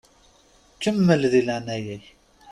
Kemmel di leɛnaya-k!